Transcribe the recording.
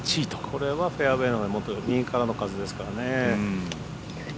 これはフェアウエー右からの風ですからね。